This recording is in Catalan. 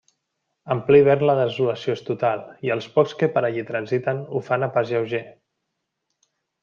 En ple hivern la desolació és total i els pocs que per allí transiten ho fan a pas lleuger.